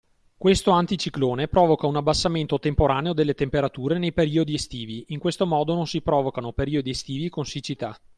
Questo anticiclone provoca un abbassamento temporaneo delle temperature nei periodi estivi in questo modo non si provocano periodi estivi con siccità.